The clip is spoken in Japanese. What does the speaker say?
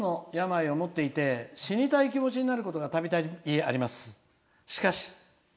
今、うつの病を持っていて死にたい気持ちになることがたびたびあります。